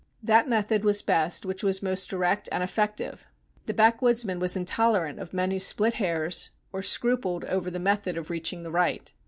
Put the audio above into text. That method was best which was most direct and effective. The backwoodsman was intolerant of men who split hairs, or scrupled over the method of reaching the right.